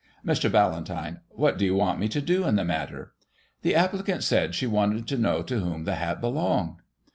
Mr. Ballantyne : What do you want me to do in the matter i The applicant said she wanted to know to whom the hat belonged.